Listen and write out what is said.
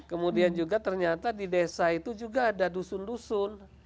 kemudian juga ternyata di desa itu juga ada dusun dusun